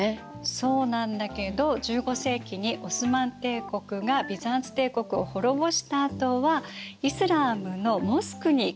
そうなんだけど１５世紀にオスマン帝国がビザンツ帝国を滅ぼしたあとはイスラームのモスクに改装されてるの。